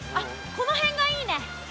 このへんがいいね。